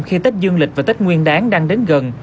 khi tết dương lịch và tết nguyên đáng đang đến gần